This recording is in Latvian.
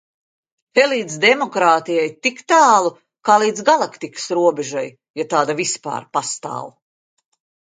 Te līdz demokrātijai tik tālu kā līdz galaktikas robežai, ja tāda vispār pastāv.